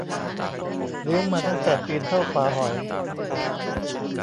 เลี้ยงมาตั้งแต่ตีนเท่าฝาหอย